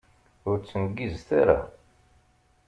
Ur ttengizet ara!